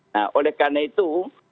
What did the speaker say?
nah oleh karena itu